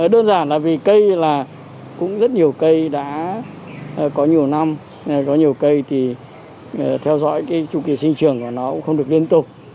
đơn giản là vì cây là cũng rất nhiều cây đã có nhiều năm có nhiều cây thì theo dõi cái chu kỳ sinh trường của nó cũng không được liên tục